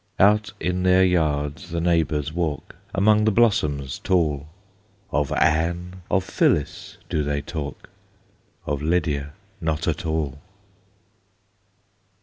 Out in their yards the neighbors walk, Among the blossoms tall; Of Anne, of Phyllis, do they talk, Of Lydia not at all.